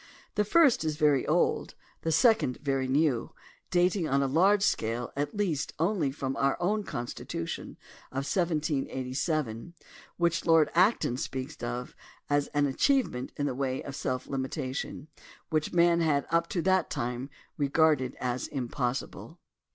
The first is very old, the second very new, dating on a large scale at least only from our own Constitution of 1787, which Lord Acton speaks of as an achievement in the way of self limitation which men had up to that time regarded as impossible.